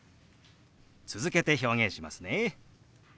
続けて表現しますね。